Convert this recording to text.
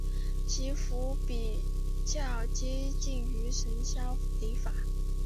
其符箓比较接近于神霄雷法。